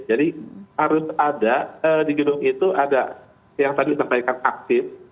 jadi harus ada di gedung itu ada yang tadi disampaikan aktif